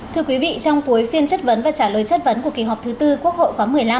thưa quý vị trong cuối phiên chất vấn và trả lời chất vấn của kỳ họp thứ tư quốc hội khóa một mươi năm